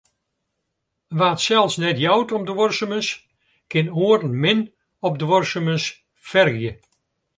Wa't sels net jout om duorsumens, kin oaren min op duorsumens fergje.